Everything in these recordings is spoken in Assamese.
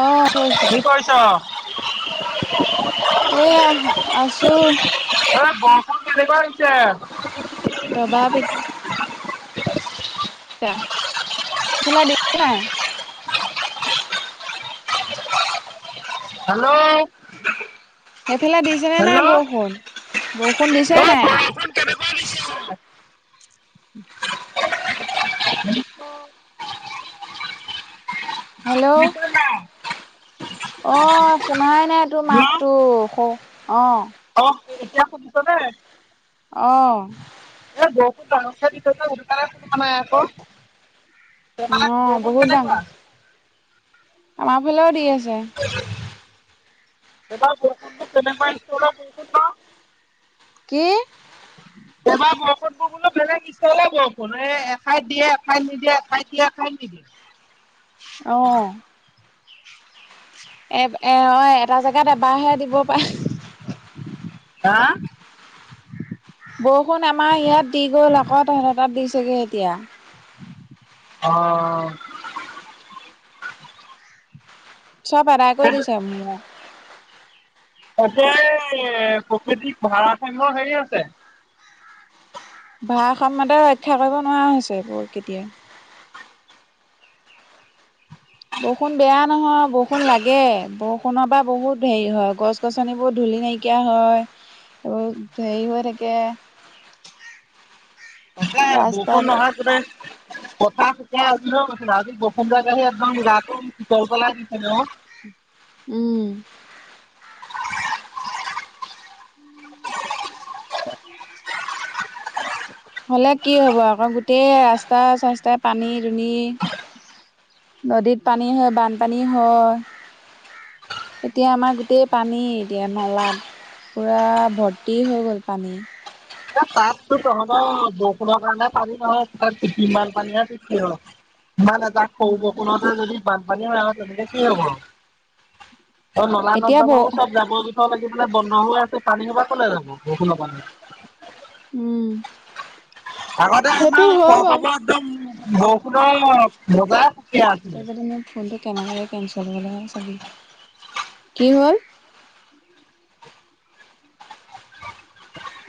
অ কৈছো অঁ এয়া আছো! অঁ, বৰষুণ কেনেকুৱা হৈছে! দবা- পিতা ফুলা দা নাই [unintelligible] হেল্ল' সেইফালে দিছে নে নাই, হেল্ল' বৰষুণ বৰষুণ দিছে নাই, কেনে বিছে [unintelligible] উ কি [inaudible] হেল্ল' অঁ, শুনাই নাই তোৰ মাতটো অঁ, অঁ, এতিয়া শুনিছ নে অঁ এ বৰষুত ডাঙৰ খাই দি থছে উকাৰে কোোৱা নাই আকৌ [unintelligible] তোমালাক বৰষুণ বহুত ডাঙৰকে কেনেুৱোৱাা [unintelligible] আমাৰ ফালেও দি আছে! এইবাৰ কষু তেনেকুৱা কষুোন ন [unintelligible] কি এবাৰ বৰষণবোৰ বোলো বেলেগ! [unintelligible] বৰষুণ এ এঠাইত দিয়ে, এঠাইত নিদিয়ে এঠাইত দিয় এ ঠাইত নিদিয়ে অঁ এ, এ, অঁ এটা জেগাত এবাৰহে দিব পায়! হাঁ বৰষুণ আমাৰ ইয়াত দি গ'ল! আকৌ তহঁত তাত দিছেগে এতিয়া! অঁ চব আদায় কৰি দিছে! ম ততে প্ৰকৃতিক ভাডাৰাঠং্য হেৰি আছে [unintelligible] ভাৰাস ম্যতা ৰক্ষা কৰিব নোৱাৰা হৈছে! বোৰ কেতিয়া হয় [unintelligible] বৰষুণ বেয়া নহয়, বৰষুণ লাগে, বৰষুণৰ পৰা বহুত হেৰি হয়, গছ গছ-গছনিবোৰ ধূলি নাইকিয়া হয়! এইবোৰ হেৰি হৈ থাকে। তে ৰাস্তাত বৰষুণ নহয় তোনে [unintelligible] কথা চুতিছেজ বসুন্ত গ আহি একদম গাটোতৰ পলাগিছে ন [unintelligible] উম। [inaudible] হ'লে কি হ'ব আকৌ গোটেই ৰাস্তা চাস্তাই পানী দুনি। নদীত পানী হয়, বানপানী হয়। এতিয়া আমাৰ গোটেই পানী এতিয়া নলাত। পুৰা ভৰ্তি হৈ গ'ল পানী। এ তাততো তহঁতৰ বৰষুণৰ কাৰণে পানী নহয় তাত যিমান পানী হয় কি নাই, নাই তাক স উম বৰষুণতে যদি বানপানী হয় তেনেলে কি হ'ব। অ', নলা এতিয়া নৰ্দমা ব চব যাবৰ জোথৰ লাগি পানে বন্ধ হৈ আছে পানী সবা কলে যাব বৰষুন। উম। আগতে সেইটো হয় বাৰু আমাৰ একদম বৰষুণৰ বজাৰ। তই য মোৰ ফোনটো কেনেকে কেনচেল হয় চাবি কি হ'ল?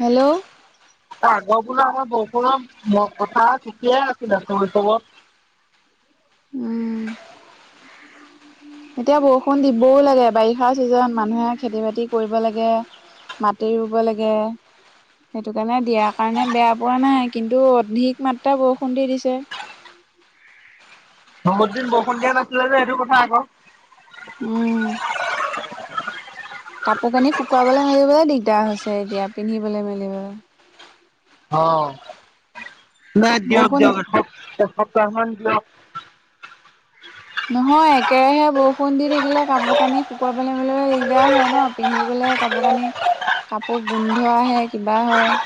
হেল্ল'। আগৰ বোলো আমাৰ বৰষুনৰ কথা ছুটিয়াই আছিলে চব চবত। উম। এতিয়া বৰষুণ দিবও লাগে বাৰিষাৰ চিজন মানুহে খেতি বাতি কৰিব লাগে। মাটি ৰুব লাগে। সেইটো কাৰণে দিয়াৰ কাৰণে বেয়া পোৱা নাই কিন্তু অধিক মাত্ৰা বৰষুণ দি দিছে। বহুত দিন বৰষুন দিয়া নাছিলে যে সেইটো কথা আকৌ। উম। কাপোৰ কানি শুকুৱাবলৈ মেলিবলৈ দিগদাৰ হৈছে এতিয়া পিন্ধিবলৈ মেলিবলৈ। অ', নাই দিয়ক, বৰষুণ দিয়ক এক সপ্তাহ মান দিয়ক। নহয় একেৰাহে বৰষুণ দি থাকিলে কাপোৰ কানি শুকুৱাই পেল মলৈ দিগদাৰ হয় ন। পিন্ধিবলৈ কাপোৰ কানি কাপোৰ গোন্ধ আহে কিবা হয়।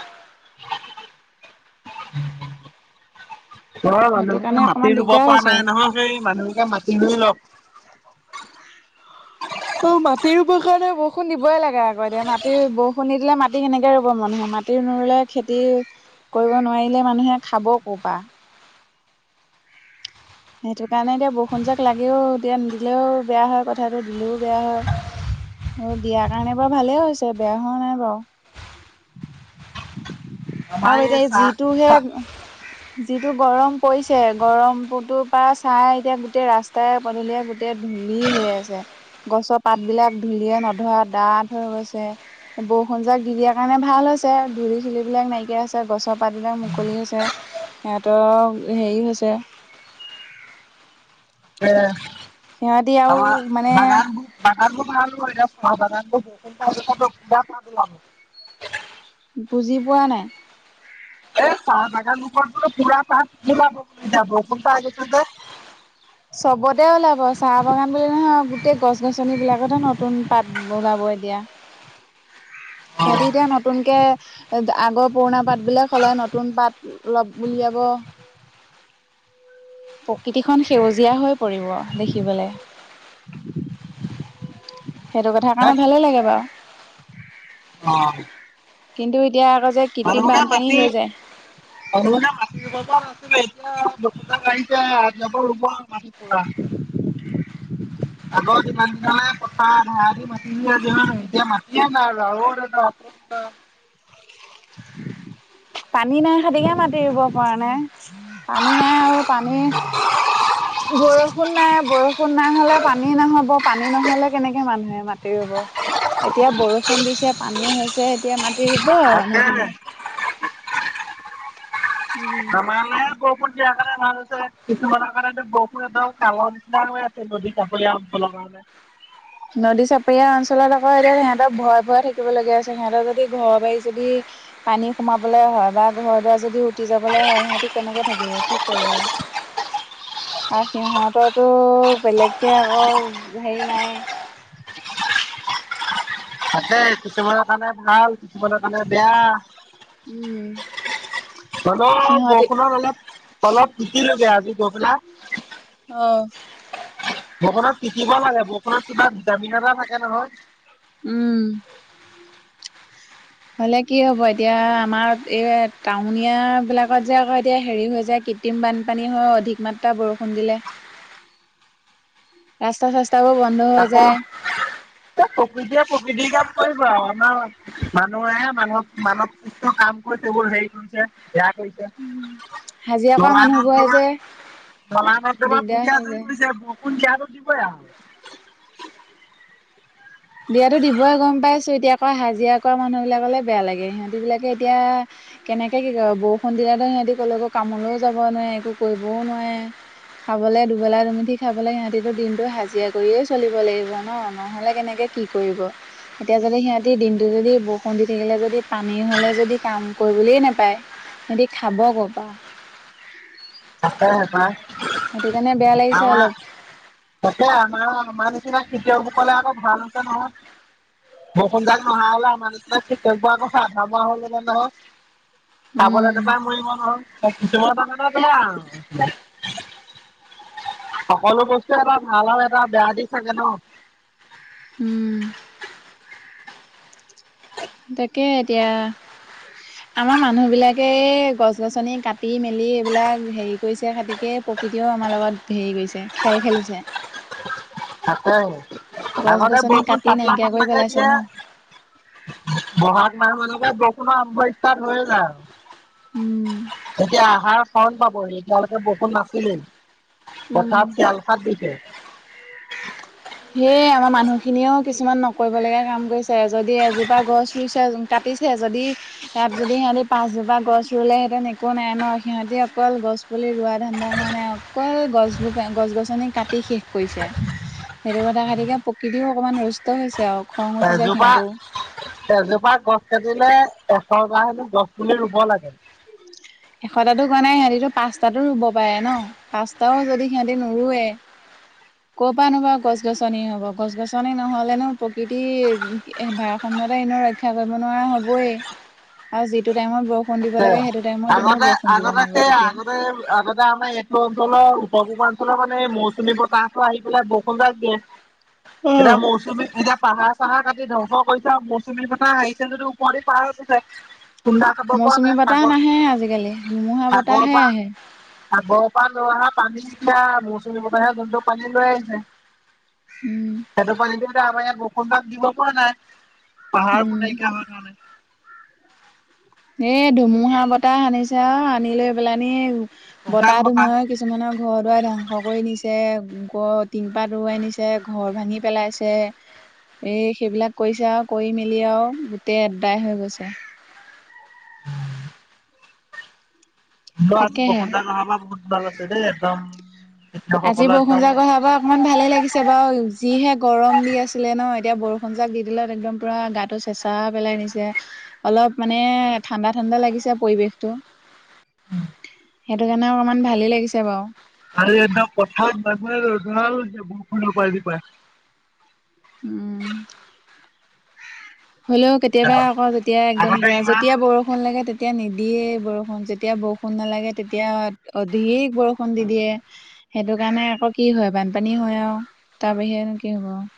তই সেইটো মানুহবোকে কাৰণে অকমান মাটি ৰুব দিগদাৰ পৰা হৈছে নাই নহয়, সেই মানুহবোকে মাতি ৰুই লওক। অ', মাটিৰ প্ৰষে বৰষুণ দিবই লাগে আকৌ এতিয়া মাটিৰ বৰষুণ নি দিলে মাটি কেনেকে ৰুব মানুহে মাটি। খেতি নুৰুলে খেতি কৰিব নোৱাৰিলে মানুহে খাব ক'ৰ পৰা। সেইটো কাৰণে এতিয়া বৰষুণ জাক লাগেও, এতিয়া নিদিলেও বেয়া হয় কথাটো দিলেও বেয়া হয়। অ', দিয়াৰ কাৰণে বাৰু ভালে হৈছে বেয়া হোৱা নাই বাৰু। আৰু এতিয়া যিটোহে। হয়। যিটো গৰম পৰিছে গৰমতো পৰা চাই এতিয়া গোটেই ৰাস্তাই পদূলিয় গো তেয়া ধূলি হৈ আছে গছৰ পাতবিলাক ধূলিয়ে নধৰা ডাঠ হৈ গৈছে। বৰষুণজাক দিয়াৰ কাৰণে ভাল হৈছে ধূল চুলিবিলাক নাইকিয়া। হৈছে গছৰ পাতবিলাক মুকলি হৈছে সিহঁতৰ হেৰি হৈছে। সিহঁতি আৰু আমাৰ মানে বাগান। বাগান [unintelligible] বুজি পোৱা নাই। এই চাহ বাগান লোকৰো পুৰা পাত ওলাব বুলি যাব খো গৈছে যে। চবতে ওলাব চাহ বাগান বুলি নহয় গোটেই গছ গছন বিলাকতে নতুন পাত। বগাব এতিয়া। সিহঁতি এতিয়া নতুনকৈ আগৰ পুৰণা পাতবিলাক সলাই নতুন পাত। অলপ উলিয়াব। প্ৰকৃতিখন সেউজীয়া হৈ পৰিব দেখিবলৈ। সেইটো কথা হেত কাৰণে ভালে লাগে বাৰু। অ কিন্তু এতিয়া আৰু যে কৃত্ৰিম ভালহকা [unintelligible] বানপানী মাটি হৈ যায় বানে [unintelligible] মাটি ৰু নাছিলে এতিয়া লুত [unintelligible] আহ়িছে নতুন ৰুব মাটি পৰা আগত যিমান দিনা পথাৰ ধাৰে দি যে মাটি দিয়ে যে এতিয়া মা [inaudible] হেই [inaudible] পানী নাই, সেইদিখে মাটি ৰুব পৰা নাই। পানী নাই আৰু পানী বৰষুণ নাই- বৰষুণ নাই হ'লে পানী নহ'ব পানী নহ'লে কেনেকে মানুহে মাটি ৰুব এতিয়া বৰষুণ দিছে, পানী হৈছে এতিয়া মাটি ৰুব আৰু মানুহখিনি। উম মানে বৰষুণ দিয়া কাৰণে ভাল হৈছে। কিছুমানৰ কাৰণে তো বৰষুণ একদম কালৰ নিচিনা হৈ আছে। [unintelligible] নদী চাপৰীয়া অঞ্চলত আকৌ এতিয়া সিহঁতে ভয়ে- ভয়ে থাকিবলগীয়া হৈছিল, সিহঁতৰ যদি ঘৰ- বাৰি যদি পানী সোমাবলে হয় বা ঘৰ দুৱাৰ যদি উটি যাবলৈ হয়, সিহঁতি কেনেকে থাকিব কি কৰিব। [inaudible] আৰু সিহঁতৰতো বেলেগকে আৰু হেৰি নাই তাকেই, কিছুমানৰ কাৰণে ভাল কিছুমানৰ কাৰণে বেয়া। উম অলপ সিহঁতি বৰষুণত অলপ- অলপ তিতিলোগে আজি গধুলা অ বৰষুণত তিতিব লাগে, বৰষুণত কিবা ভিটামিন এটা থাকে নহয়। উম হলে কি হ'ব, এতিয়া আমাৰ এই টাউনীয়া বিলাকত যে আকৌ এতিয়া হেৰি হৈ যায় কৃত্ৰিম বানপানী হয়, অধিক মাত্ৰা বৰষুণ দিলে। [unintelligible] ৰাস্তা- চাস্তাবোৰ বন আকৌ এ প্ৰকৃতিয়ে প্ৰকৃতিৰ কাম কৰিব আৰু, আমাৰ মানুহে মানুহক মানৱ সুস্থ কাম কৰি এইবোৰ হেৰি কৰিছে, বেয়া কৰিছে হাজিৰা কৰা নলায়- মানুহবোৰে নৰ্দমা যে নলা- নৰ্দমা দিগদাৰ পুতি হৈ যায় আজৰি কৰিছে, বৰষুণ দিয়াতো দিবই আৰু। দিয়াতো দিবই, গম পাইছো এতিয়া আকৌ হাজিৰা কৰা মানুহ বিলাকলৈ বেয়া লাগে, সিহঁতি বিলাকে এতিয়া কেনেকে কি কৰিব, বৰষুণ দিলে তো আকৌ সিহঁতি কলৈকো কামলৈও যাব নোৱাৰে, একো কৰিবও নোৱাৰে। খাবলৈ দুবেলা- দুমুঠি খাবলৈ সিহঁতি দিনটো হজিৰা কৰিয়ে চলিব লাগিব ন, নহলে কেনেকে কি কৰিব। এতিয়া যদি সিহঁতে দিনটো যদি বৰষুণ দি থাকিলে যদি পানী হলে যদি কাম কৰিবলৈ নাপায় সিহঁতি খাব ক'ৰপৰা? তাকে [unintelligible] সেইটো কাৰণে বেয়া লাগিছে অলপ। তাকে আমাৰ- আমাৰ নিচিনা খেতিয়কসকলে আকৌ [unintelligible] নহয় বৰষুণজাক নহা হ'লে আমাৰ নিচিনা খেতিয়কবোৰে আকৌ চাহকাপ বনাব চিলিণ্ডাৰত [unintelligible] খাবলৈ উম নোপায় মৰিব নোৱাৰো, খেতিয়কৰ কাৰনে বেয়া আৰু সকলো বস্তুৰে এটা ভাল আৰু এটা বেয়া দিশ থাকে ন। হম তাকে এতিয়া [unintelligible] আমাৰ মানুহবিলাকে গছ গছনি কাটি মেলি এইবিলাক হেৰি কৰিছে গতিকে প্ৰকৃতিও আমাৰ লগত হেৰি কৰিছে, খেল খেলিছে। তাকে গছ আগতে গছনি বৰষুণ কাটি পাতলা- নাইকিয়া কৰি পাতলাকে পেলাইছে ন দিয়ে। ব'হাগ মাহ মানৰপৰা বৰষুণ আৰম্ভ ষ্টাৰ্ট হৈয়ে যায়। উম এতিয়া আহাৰ, শাওন পাবহি এতিয়ালৈকে বৰষুণ নাছিলে। উম পথাৰত চিৰালফাত দিছে। [unintelligible] সেয়ে আমাৰ মানুহখিনিয়েও কিছুমান নকৰিবলগীয়া কাম কৰিছে। যদি এজোপা গছ ৰুইছে, কাটিছে যদি ইয়াত যদি সিহঁতি পাঁচজোপা গছ ৰুলে হেতেন একো নাই ন, সিহঁতি অকল গছ পুলি ৰোৱা ধান্দা মৰা নাই, অকল- অকল গছ বোৰ গছ-গছনি কাটি শেষ কৰিছে। সেইটো কথা কাৰনে প্ৰকৃতিও অকমান ৰুষ্ট হৈছে আৰু। খং উঠিছে এজোপা, সিহঁতও এজোপা গছ কাটিলে, এশটা হেনো গছ পুলি ৰুব লাগে। এশটাতো কোৱা নাই, সিহঁতিতো পাঁচতাতো ৰুব পাৰে ন। পাঁচটাও যদি সিহঁতেতি নোৰুৱে। ক'ৰ পৰা নো বাৰু গছ-গছনি হ'ব, গছ-গছনি নহ'লেনো প্ৰকৃতি সময়মতে এনেও ৰক্ষা কৰিব নোৱাৰা হ'বই, আৰু যিটো টাইমত ব তাকে, আগতে, আগতে সেই তেতিয়া আগতে -আগতে- এতিয়া আমাৰ এইটো অঞ্চলৰ উত্তৰ পূৰ্বাঞ্চলৰ মানে মৌচুমী বতাহটো আহি পেলাই বৰষুণ যাগ দিয়ে। অ এতিয়া মৌচুমী, এতিয়া পাহাৰ চাহাৰ কাটি ধ্বংস কৰিছে আৰু মৌচুমীৰ বতাহ আহিছে যদিও- ওপৰেদি পাৰ হৈ গৈছে, খুন্দা খাব- পৰা চুমী নাই বতাহ সাগৰ নাহে আজিকালি, ধুমুহা বতাহ সাগৰৰ হে পৰা আহে। সাগৰৰ পৰা লৈ অহা পানী যেতিয়া মৌচুমী বতাহ হে, যোনটোক পানী লৈ আহিছে উম্, সেইতো পানী দি আমাৰ ইয়াত বৰষুণ যাক দিব পৰা নাই, পাহাৰবোৰ উম নাইকিয়া হয় গ'ল কাৰণে। এ ধুমুহা বতাহ আানিছে আৰু আনি লৈ পেলানি বতাহ ধুমুহাই কিছু কিছুমানৰ ঘৰ দুৱাৰ ধ্বংস কৰি নিছে, ওপৰ তিনপাত উৰুৱাই নিছে, ঘৰ ভাঙি পেলাইছে। এই সেইবিলাক কৰিছে আৰু কৰি মেলি আৰু গোটেই এডাই হৈ গৈছে। মই আজি তাকেহে বৰষুণ জাক নহাৰ পৰা বহুত ভাল পাইছোঁ দেই একদম। আজি কৃষকসকলৰ বৰষুণ একদম যাক অহা পা অকণমান ভালেই লাগিছে বাৰু, যিহে গৰম দি আছিলে ন, এতিয়া বৰষুণ যাক দি দিলে একদম পুৰা গাটো চেষ্ঠ ঠাণ্ডা পেলাই নিছে, অলপ মানে ঠাণ্ডা ঠাণ্ডা লাগিছে পৰিৱেশটো। সেইটো কাৰণে অকমান ভালেই লাগিছে বাৰু। আৰু একদম পথাৰত মানুহে ন ধৰা হৈছে বৰষুণৰ পানী পাই। উম্ হ'লেও কেতিয়াবা আকৌ যেতিয়া একদম আগতে পুৰা, ইমান যেতিয়া বৰষুণ লাগে তেতিয়া তেতিয়া নিদিয়ে বৰষুণ, যেতিয়া বৰষুণ নালাগে তেতিয়া অধিক বৰষুণ দি দিয়ে। সেইটো কাৰণে আকৌ কি হয়, বানপানী হয় আৰু তাৰ বাহিৰেনো কি হ'ব আৰু।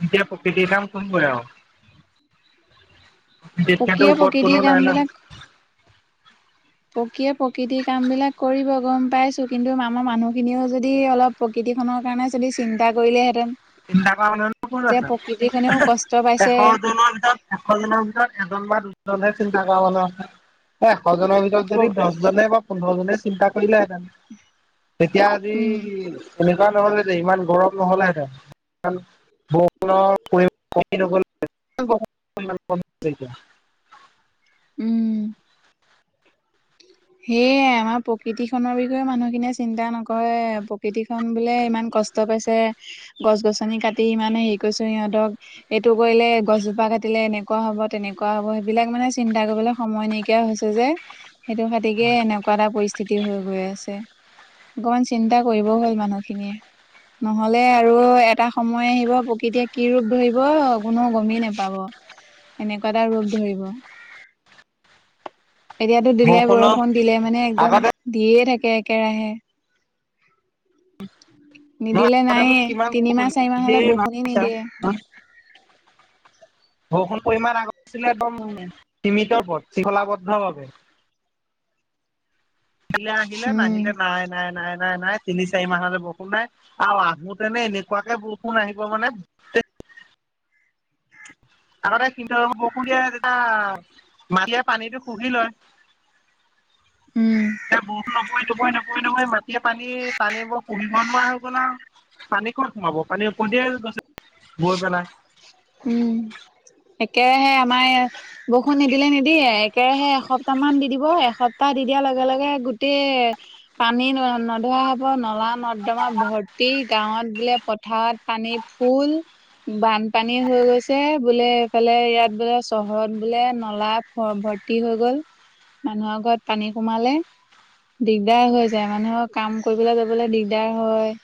তেতিয়া প্ৰকৃতিয়ে কাম খোব কৰে আৰু। তেতিয়াটো প্ৰকৃয়ে ওপৰত প্ৰকৃতিৰ কোনো কাম নাই ন। প্ৰকিয়ে প্ৰকৃতিৰ কাম বিলাক কৰিব গম পাইছোঁ, কিন্তু আমাৰ মানুহখিনিয়েও যদি অলপ প্ৰকৃতিখনৰ কাৰণে যদি চিন্তা কৰিলেহেঁতেন তিনিটাক মানুহ ক'ত যে আছে, প্ৰকৃতি খনেও কষ্ট এশ পাইছে জনৰ ভিতৰত। এশজনৰ ভিতৰত এজন বা দুজনহে চিন্তা কৰা মানুহ আছে। এশজনৰ ভিতৰত যদি দহ - জনে বা পোন্ধৰ জনে চিন্তা কৰিলেহেঁতেন, তেতিয়া আজি উম এনে - সা নহ'ল হেঁতেন ইমান নৰম নহ'লে হেতেন। পৰি কমি, উম্, সেয়ে, আমাৰ প্ৰকৃতি খনৰ বিষয়ে মানুহখিনিয়ে চিন্তা নকৰে, প্ৰকৃতিখন বোলে ইমান কষ্ট কষ্ট পাইছে, গছ-গছনি কাটি ইমানে হেৰি কৰিছো সিহঁতক এইটো কৰিলে, গছজোপা কাটিলে এনেকুৱা হ'ব, তেনেকুৱা হ'ব, সেইবিলাক মানে চিন্তা কৰিবলৈ সময় নাইকিয়া হৈছে যে, সেইটো খাতিকে এনেকুৱা এটা পৰিস্থিতি হৈ গৈ আছে। অকমান চিন্তা কৰিবও হ'ল, মানুহখিনিয়ে। নহ'লে আৰু এটা সময় আহিব প্ৰকৃতিয়ে কি ৰূপ ধৰিব কোনেও গমেই নেপাব। এনেকুৱা এটা ৰূপ ধৰিব। [unintelligible] এতিয়াটো দিলে বৰষুণৰ বৰষুণ দিলে মানে একদম আগতে দিয়েই থাকে একেৰাহে। নিদিলে নায়ে তিনিমাহ চাৰিমাহ হলে বৰষুণে নিদিয়ে [unintelligible] বৰষুণৰ পৰিমাণ আগত আছিলে একদম সীমিতৰ পথ শৃংখলাবদ্ধভাৱে। আহিলে আহিলে উম নাহিলে নাই নাই নাই নাই নাই তিন, চাৰি মাহলে বৰষুণ নাই। আৰু আহোতেনে এনেকুৱাকে বৰষুণ আহিব মানে আগতে [unintelligible] মাটিয়ে পানীটো শুহি লয়, উম এতিয়া বৰষূণৰ নপয় তুবই নপ [unintelligible] নহয় নহয় মাটিয়ে পানী টানিব শুহিব নোৱাৰা হৈ গ'ল আও। পানী ক'ত শুকাব পানী উফন্দিয়ে গৈছে গৈ পেলাই উম, একেৰাহে আমাৰ এইয়া বৰষুণ নিদিলে নিদিয়েই একেৰাহে এসপ্তাহ মান দি দিব, এসপ্তাহ দি দিয়াৰ লগে লগে গোটেই পানী নধৰা হ'ব নলা-নৰ্দমা ভৰ্তি, গাঁৱত বোলে পথাৰত পানী ফোল বান পানী হৈ গৈছে বোলে এইফালে ইয়াত বোলে চহৰত বোলে নলা ভ ভৰ্তি হৈ গ'ল মানুহৰ ঘৰত পানী সোমালে। দিগদাৰ হৈ যায়। মানুহৰ কাম কৰিবলে যাবলে দিগদাৰ হয়